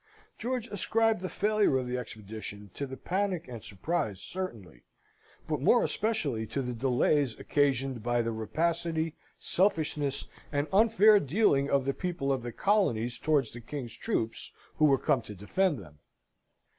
George ascribed the failure of the expedition to the panic and surprise certainly, but more especially to the delays occasioned by the rapacity, selfishness, and unfair dealing of the people of the colonies towards the King's troops who were come to defend them.